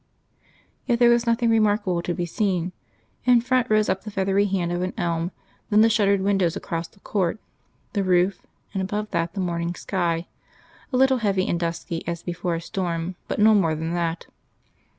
Yet there was nothing remarkable to be seen. In front rose up the feathery hand of an elm, then the shuttered windows across the court, the roof, and above that the morning sky, a little heavy and dusky as before a storm; but no more than that.